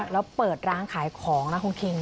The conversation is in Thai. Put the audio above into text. แล้วเปิดร้านขายของนะคุณคิง